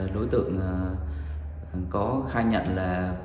đối tượng có khai nhận là